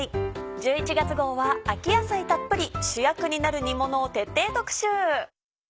１１月号は秋野菜たっぷり主役になる煮ものを徹底特集。